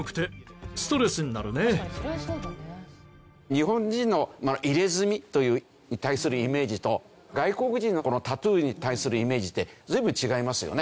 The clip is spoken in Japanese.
日本人の入れ墨に対するイメージと外国人のタトゥーに対するイメージって随分違いますよね。